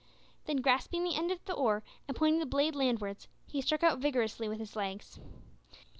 Then grasping the end of the oar, and pointing the blade land wards, he struck out vigorously with his legs.